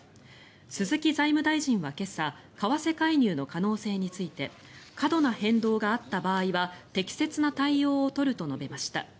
鈴木財務大臣は今朝為替介入の可能性について過度な変動があった場合は適切な対応を取ると述べました。